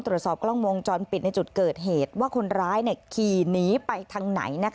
ตรวจสอบกล้องวงจรปิดในจุดเกิดเหตุว่าคนร้ายขี่หนีไปทางไหน